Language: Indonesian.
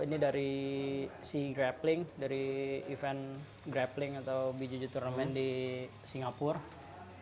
ini dari sea grappling dari event grappling atau bgj turnamen di singapura